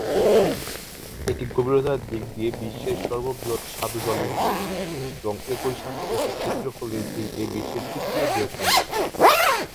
এটি গভীরতার দিক দিয়ে বিশ্বের সর্ববৃহৎ স্বাদু জলের হ্রদ, এবং একই সাথে এটি ক্ষেত্রফলের দিক দিয়ে বিশ্বের তৃতীয় বৃহত্তম হ্রদ।